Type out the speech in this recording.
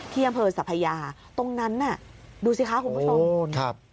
ที่อำเภอสัพยาตรงนั้นน่ะดูสิคะคุณผู้ชมครับ